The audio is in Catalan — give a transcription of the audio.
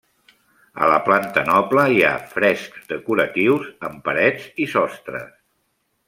A la planta noble hi ha frescs decoratius en parets i sostres.